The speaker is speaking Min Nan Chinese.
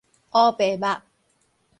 烏白沐